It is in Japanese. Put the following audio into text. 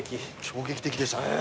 衝撃的でしたね。